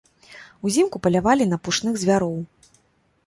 Узімку палявалі на пушных звяроў.